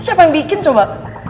siapa yang bikin coba